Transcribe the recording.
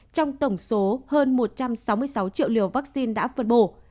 trong tổng số hơn một trăm sáu mươi sáu triệu liều vaccine đã phân bổ